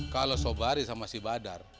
kalau sobari sama si badar